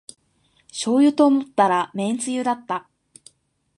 しょうゆと思ったらめんつゆだった